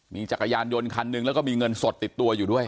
มีจักรยานยนต์คันหนึ่งแล้วก็มีเงินสดติดตัวอยู่ด้วย